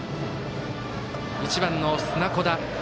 １番の砂子田。